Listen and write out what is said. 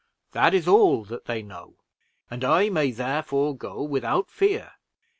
That is all that they know: and I may therefore go without fear.